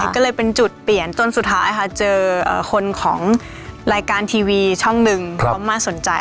ก็เลยเป็นจุดเปลี่ยนจนสุดท้ายค่ะเจอคนของรายการทีวีช่องหนึ่งก็มาสนใจ